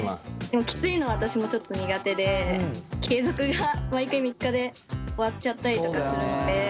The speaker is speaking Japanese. でもきついのは私もちょっと苦手で継続が毎回３日で終わっちゃったりとかするので。